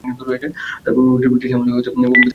তাঁর পূর্বপুরুষ ব্রিটিশ আমল হতেই বোম্বে-তে বসবাস করেন।